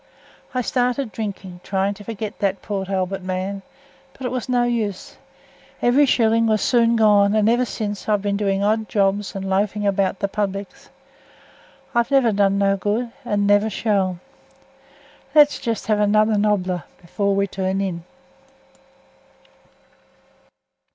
I started drinking, trying to forget that Port Albert man, but it was no use. Every shilling was soon gone, and eversince I've been doing odd jobs and loafing about the publics. I've never done no good and never shall. Let's have just another nobbler afore we turn in."